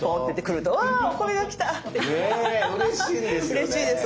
うれしいです！